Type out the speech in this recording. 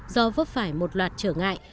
do vấp phải một loạt trở ngại